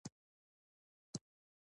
احمد او علي شرعې ته کېناستل.